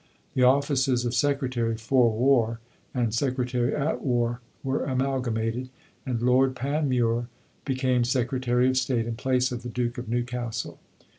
The offices of Secretary for War and Secretary at War were amalgamated, and Lord Panmure became Secretary of State in place of the Duke of Newcastle.